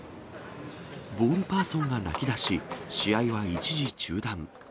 ボールパーソンが泣きだし、試合は一時中断。